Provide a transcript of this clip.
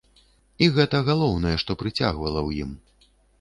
І гэта галоўнае, што прыцягвала ў ім.